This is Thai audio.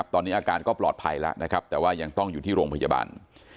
ตอนนี้อาการก็ปลอดภัยแล้วนะครับแต่ว่ายังต้องอยู่ที่โรงพยาบาล